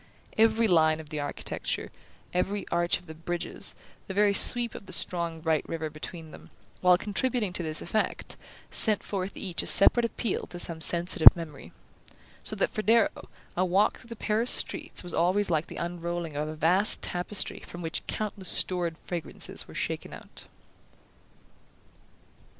Every line of the architecture, every arch of the bridges, the very sweep of the strong bright river between them, while contributing to this effect, sent forth each a separate appeal to some sensitive memory; so that, for Darrow, a walk through the Paris streets was always like the unrolling of a vast tapestry from which countless stored fragrances were shaken out.